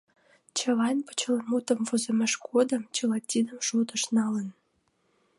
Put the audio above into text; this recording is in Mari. Чавайн почеламутым возымыж годым чыла тидым шотыш налын.